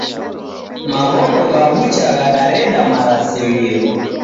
Maw'ono gha w'ucha ghadareda marasimio.